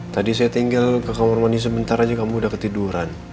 tadi saya tinggal ke kamar mandi sebentar aja kamu udah ketiduran